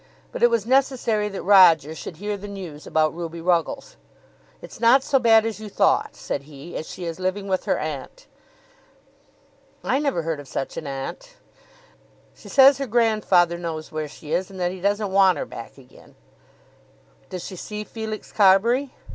But it was necessary that Roger should hear the news about Ruby Ruggles. "It's not so bad as you thought," said he, "as she is living with her aunt." "I never heard of such an aunt." "She says her grandfather knows where she is, and that he doesn't want her back again." "Does she see Felix Carbury?"